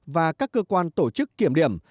và các cơ quan tổ chức kiểm điểm